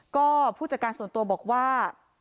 ก็ผู้จัดการส่วนตัวบอกว่า